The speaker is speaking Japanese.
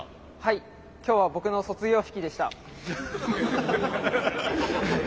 今日は僕の卒業式でした。